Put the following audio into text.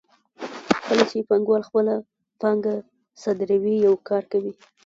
کله چې پانګوال خپله پانګه صادروي یو کار کوي